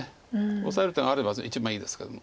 オサえる手があれば一番いいですけども。